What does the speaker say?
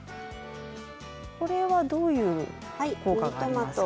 これはどういう効果がありますか。